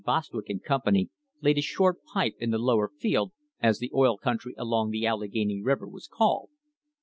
Bostwick and Company laid a short pipe in the Lower Field, as the oil country along the Allegheny River was called.